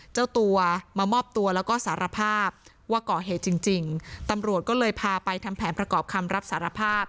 เจ้าตัวมามอบตัวแล้วก็สารภาพว่าก่อเหตุจริงจริงตำรวจก็เลยพาไปทำแผนประกอบคำรับสารภาพ